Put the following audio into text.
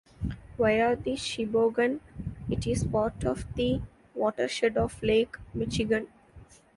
Via the Sheboygan, it is part of the watershed of Lake Michigan.